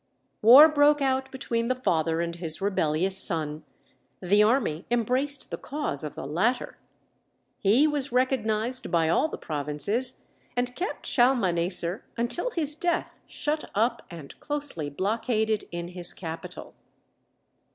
War broke out between the father and his rebellious son; the army embraced the cause of the latter; he was recognized by all the provinces, and kept Shalmaneser until his death shut up and closely blockaded in his capital.